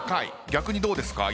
逆にどうですか？